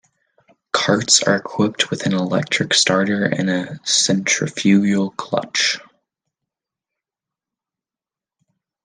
Karts are equipped with an electric starter and a centrifugal clutch.